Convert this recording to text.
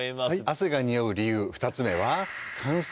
汗がにおう理由２つ目は。